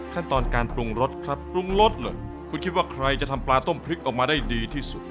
ขั้นตอนการปรุงรสครับปรุงรสเลยคุณคิดว่าใครจะทำปลาต้มพริกออกมาได้ดีที่สุด